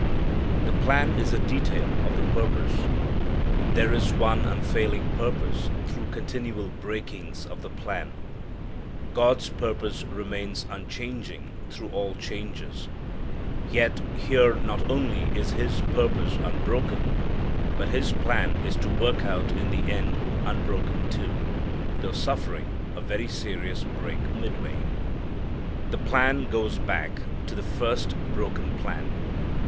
The plan is a detail of the purpose. There is one unfailing purpose through continual breakings of the plan. God's purpose remains unchanging through all changes. Yet here not only is His purpose unbroken, but His plan is to work out in the end unbroken too, though suffering a very serious break midway. The plan goes back to the first broken plan.